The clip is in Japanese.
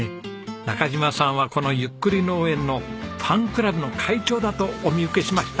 中島さんはこのゆっくり農縁のファンクラブの会長だとお見受けしました！